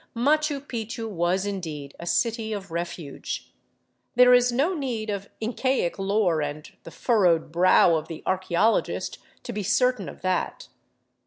Machu Picchu was indeed a city of refuge. There is no need of Incaic lore and the furrowed brow of the archeologist to be certain of that.